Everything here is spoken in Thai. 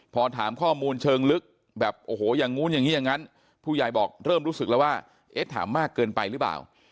พอถามข้อมูลเชิงลึกแบบโอ้โหอย่างนู้นอย่างนี้อย่างนั้นผู้ใหญ่บอกเริ่มรู้สึกแล้วว่าเอ๊ะถามมากเกินไปหรือเปล่า